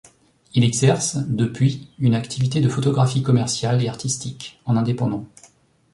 Il exerce, depuis, une activité de photographie commerciale et artistique, en indépendant.